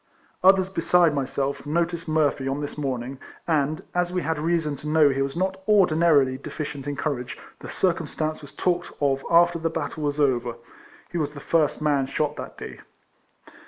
Others besides myself noticed Murphy on this morning, and, as we had reason to know he was not ordinarily deficient in courage, the circumstance was talked of after the battle was over. He was the first man shot that day.